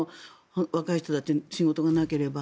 若い人たちは仕事がなければ。